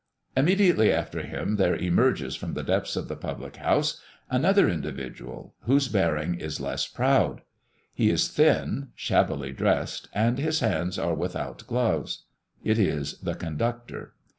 Immediately after him there emerges from the depths of the public house another individual, whose bearing is less proud. He is thin, shabbily dressed, and his hands are without gloves. It is the conductor.